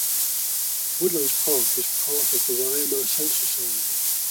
Woodlands Park is part of the Waima census area.